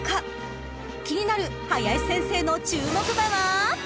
［気になる林先生の注目馬は］